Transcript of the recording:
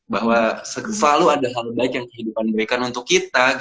bahwa selalu ada hal baik yang kehidupan berikan untuk kita